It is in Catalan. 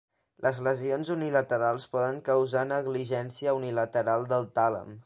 Les lesions unilaterals poden causar negligència unilateral del tàlem.